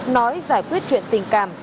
nói giải quyết chuyện tình cảm